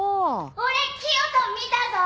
俺キヨと見たぞ。